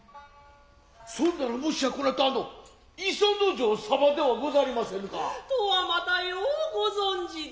そんならもしやこなたあの磯之丞様ではござりませぬか。とは又ようご存じで。